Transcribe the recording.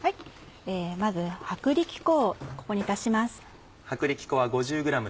まず薄力粉をここに足します。